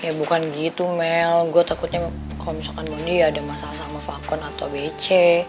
ya bukan gitu mel gue takutnya kalo misalkan mondi ya ada masalah sama vakun atau bc